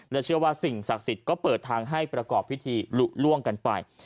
เชื่อว่าสิ่งศักดิ์สิทธิ์ก็เปิดทางให้ประกอบพิธีหลุล่วงกันไป